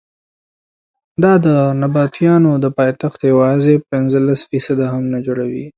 دا د نبطیانو د پایتخت یوازې پنځلس فیصده هم نه جوړوي.